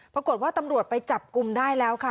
ปรากฏว่าตำรวจไปจับกลุ่มได้แล้วค่ะ